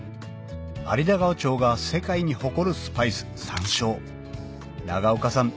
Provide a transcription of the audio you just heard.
有田川町が世界に誇るスパイス山椒永岡さん